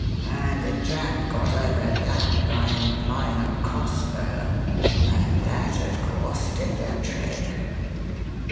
And the Jap got over that by employing a cross bow; and that, of course, did the trick."